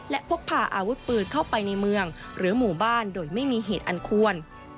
และพกพาอาวุธปืนเข้าไปในเมืองหรือหมู่บ้านโดยไม่มีเหตุอันควร